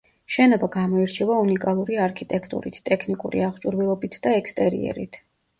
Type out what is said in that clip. შენობა გამოირჩევა უნიკალური არქიტექტურით, ტექნიკური აღჭურვილობით და ექსტერიერით.